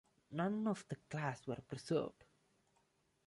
None of the class were preserved.